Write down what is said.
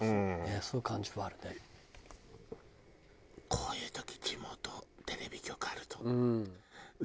こういう時地元テレビ局あると。